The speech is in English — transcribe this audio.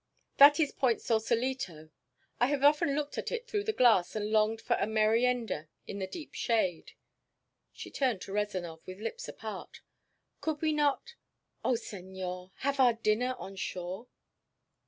"That is Point Sausalito. I have often looked at it through the glass and longed for a merienda in the deep shade." She turned to Rezanov with lips apart. "Could we not oh, senor! have our dinner on shore?"